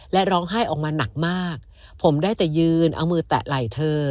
และร้องไห้ออกมาหนักมากผมได้แต่ยืนเอามือแตะไหล่เธอ